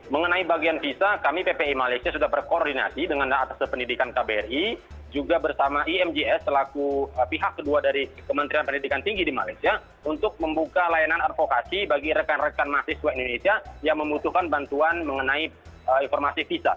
mengenai bagian visa kami ppi malaysia sudah berkoordinasi dengan atas pendidikan kbri juga bersama imgs selaku pihak kedua dari kementerian pendidikan tinggi di malaysia untuk membuka layanan advokasi bagi rekan rekan mahasiswa indonesia yang membutuhkan bantuan mengenai informasi visa